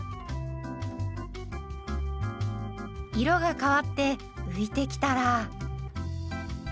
色が変わって浮いてきたら。